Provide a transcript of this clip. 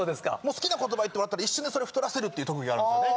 好きな言葉言ってもらったら一瞬でそれを太らせるっていう特技があるんですよね。